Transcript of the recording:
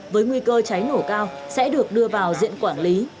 với nguy cơ cháy nổ cao sẽ được đưa vào diện quản lý